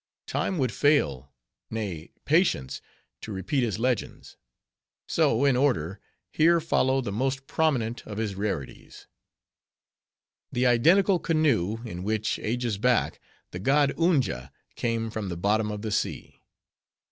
Time would fail; nay, patience, to repeat his legends. So, in order, here follow the most prominent of his rarities:— The identical Canoe, in which, ages back, the god Unja came from the bottom of the sea.